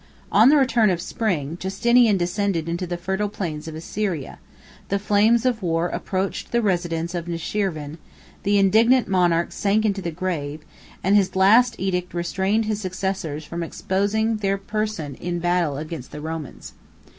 On the return of spring, Justinian descended into the fertile plains of Assyria; the flames of war approached the residence of Nushirvan; the indignant monarch sunk into the grave; and his last edict restrained his successors from exposing their person in battle against the Romans.